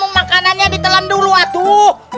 makanannya ditelan dulu atuh